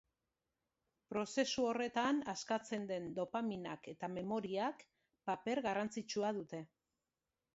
Prozesu horretan askatzen den dopaminak eta memoriak paper garrantzitsua dute.